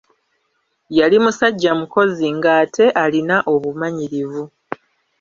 Yali musajja mukozi ng'ate alina obumanyirivu.